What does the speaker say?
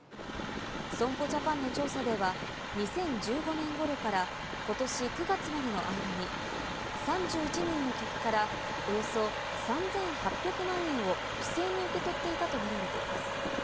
損保ジャパンの調査では、２０１５年ごろからことし９月までの間に、３１人の客からおよそ３８００万円を不正に受け取っていたと見られています。